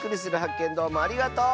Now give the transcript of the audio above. けんどうもありがとう！